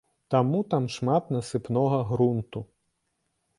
Таму там шмат насыпнога грунту.